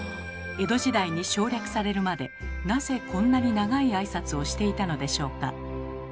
江戸時代に省略されるまでなぜこんなに長い挨拶をしていたのでしょうか？